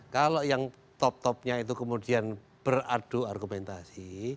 kalau yang top topnya itu kemudian beradu argumentasi